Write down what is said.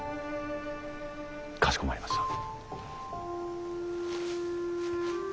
かしこまりました。